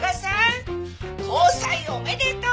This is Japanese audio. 交際おめでとう。イェイ！